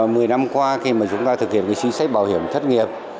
mười năm qua khi mà chúng ta thực hiện cái xí xách bảo hiểm thất nghiệp